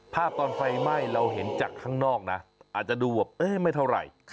ภาพตอนไฟไหม้เราเห็นจากข้างนอกนะอาจจะดูแบบเอ๊ะไม่เท่าไหร่